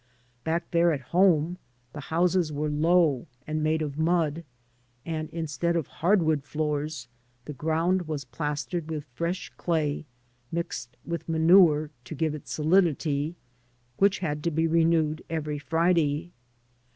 Back there at home the houses were low and made of mud, and instead of hardwood floors the ground was '• plastered with fresh clay — mixed with manure to give lit solidity — which had to be renewed every Friday.